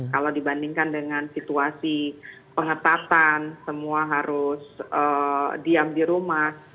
kalau dibandingkan dengan situasi pengetatan semua harus diam di rumah